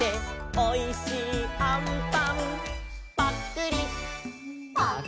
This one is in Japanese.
「おいしいあんぱんぱっくり」「」